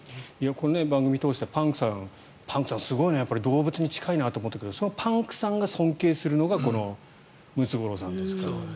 この番組を通してパンクさん、すごいな動物に近いなと思ったけどそのパンクさんが尊敬するのがこのムツゴロウさんですから。